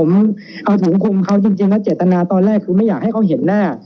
ไม่มีการครับผมผมเอาถุงคุมเขาจริงจริงแล้วเจตนาตอนแรกคือไม่อยากให้เขาเห็นหน้า